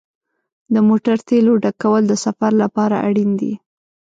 د موټر تیلو ډکول د سفر لپاره اړین دي.